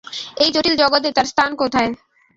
এই জটিল জগতে তার স্থান কোথায়?